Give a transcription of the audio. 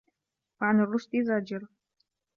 وَعَنْ الرُّشْدِ زَاجِرَةٌ